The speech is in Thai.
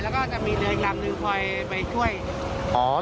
แล้วก็จะมีเรืออีกลางหนึ่งคอยไปช่วย